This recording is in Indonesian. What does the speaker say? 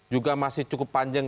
juga masih cukup panjang